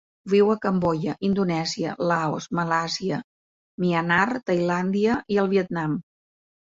Viu a Cambodja, Indonèsia, Laos, Malàisia, Myanmar, Tailàndia i el Vietnam.